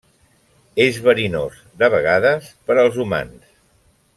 És verinós, de vegades, per als humans.